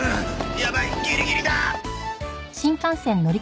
やばいギリギリだ！